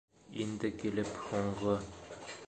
Инде килеп, һуңғы...